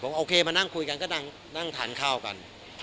โอเคมานั่งคุยกันก็นั่งทานข้าวกัน